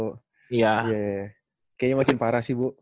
kayaknya makin parah sih bu